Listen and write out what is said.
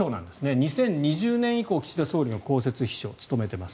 ２０２０年以降、岸田総理の公設秘書を務めています。